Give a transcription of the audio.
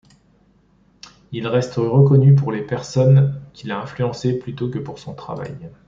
Il reste reconnu pour les personnes qu'il a influencées plutôt que pour son travail.